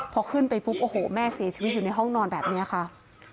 พอขึ้นไปปุ๊บโอ้โหแม่เสียชีวิตอยู่ในห้องนอนแบบนี้ค่ะ